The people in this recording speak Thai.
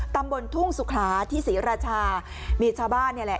ตำบลทุ่งสุขลาที่ศรีราชามีชาวบ้านนี่แหละ